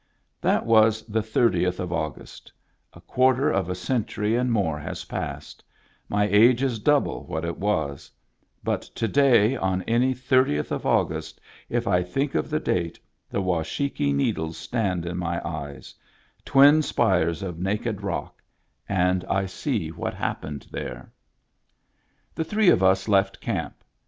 That was the thirtieth of August; a quarter of a century and more has passed; my age is double what it was ; but to day, on any thirtieth of August, if I think of the date, the Washakie Needles stand in my eyes, — twin spires of naked rock, — and I see what happened there. Digitized by VjOOQIC TIMBERLINE 151 The three of us left camp.